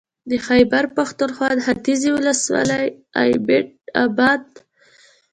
د خېبر پښتونخوا ختيځې ولسوالۍ اېبټ اباد مانسهره